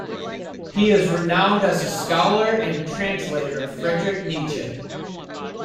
He is renowned as a scholar and translator of Friedrich Nietzsche.